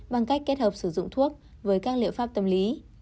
bằng cách kết hợp sử dụng thuốc với các liệu pháp tâm lý